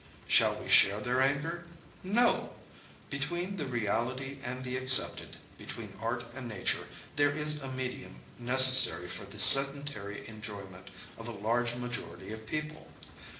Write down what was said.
Shall we share their anger ? No ! Between the reality and the accepted, between art and nature, there is a medium necessary for the sedentary enjoyment of a laige majority of people.